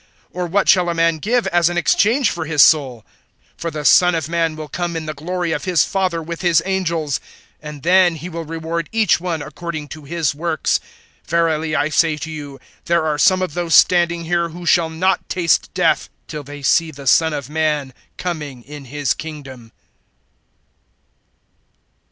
Or what shall a man give as an exchange[16:26] for his soul? (27)For the Son of man will come in the glory of his Father, with his angels; and then he will reward each one according to his works. (28)Verily I say to you, there are some of those standing here, who shall not taste death, till they see the Son of man coming in his kingdom.